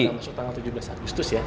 yang masuk tanggal tujuh belas agustus ya